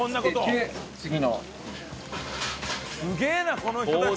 すげえなこの人たち！